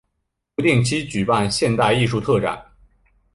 不定期举办现代艺术特展。